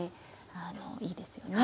あのいいですよね。